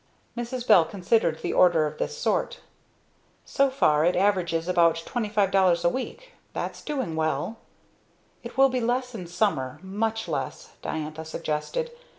Mrs. Bell considered the orders of this sort. "So far it averages about $25.00 a week; that's doing well." "It will be less in summer much less," Diantha suggested.